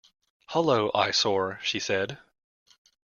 "Hullo, eyesore," she said.